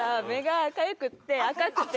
赤くて。